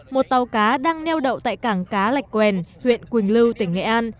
một tàu cá đang neo đậu tại cảng cá lạch quen huyện quỳnh lưu tỉnh nghệ an